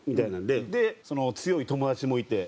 でその強い友達もいて。